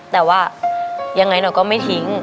แต่ว่ายังไงเราก็ไม่ทิ้ง